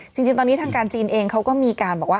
จริงตอนนี้ทางการจีนเองเขาก็มีการบอกว่า